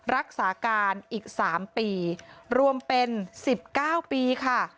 รักษาการอีก๓ปีรวมเป็น๑๙ปีค่ะ